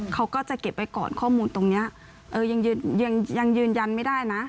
เขาก็จะเก็บไว้ก่อนข้อมูลตรงนี้ยังยืนยันไม่ได้นะ